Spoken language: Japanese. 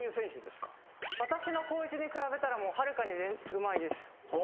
私の高１に比べたらはるかにうまいです。